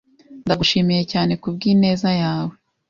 Ndagushimiye cyane kubwineza yawe.